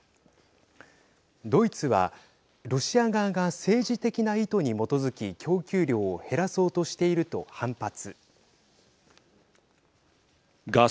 ドイツは、ロシア側が政治的な意図に基づき供給量を減らそうとしていると反発。